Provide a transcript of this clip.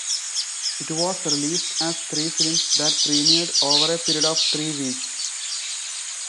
It was released as three films that premiered over a period of three weeks.